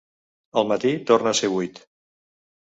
Al matí torna a ser buit.